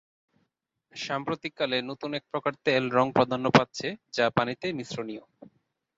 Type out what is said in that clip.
সাম্প্রতিককালে, নতুন এক প্রকার তেল রঙ প্রাধান্য পাচ্ছে, যা পানিতে মিশ্রনীয়।